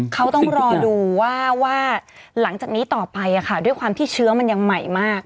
เขาต้องรอดูว่าหลังจากนี้ต่อไปด้วยความที่เชื้อมันยังใหม่มาก